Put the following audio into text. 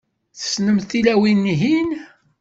Tessnemt tilawin-ihin?